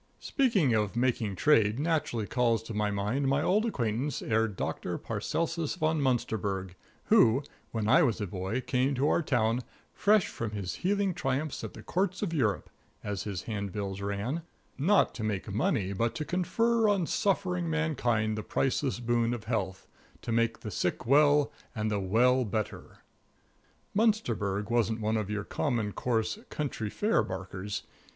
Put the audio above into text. Speaking of making trade naturally calls to my mind my old acquaintance, Herr Doctor Paracelsus Von Munsterberg, who, when I was a boy, came to our town "fresh from his healing triumphs at the Courts of Europe," as his handbills ran, "not to make money, but to confer on suffering mankind the priceless boon of health; to make the sick well, and the well better." Munsterberg wasn't one of your common, coarse, county fair barkers.